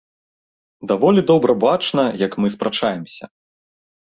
Даволі добра бачна, як мы спрачаемся.